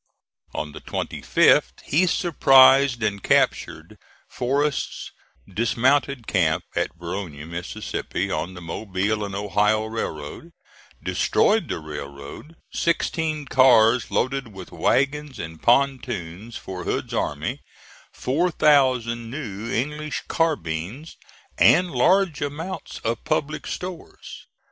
On the 25th he surprised and captured Forrest's dismounted camp at Verona, Mississippi, on the Mobile and Ohio Railroad, destroyed the railroad, sixteen cars loaded with wagons and pontoons for Hood's army, four thousand new English carbines, and large amounts of public stores.